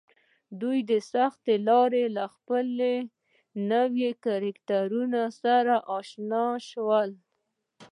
دوی د سختیو له لارې له خپلو نویو کرکټرونو سره اشنا شول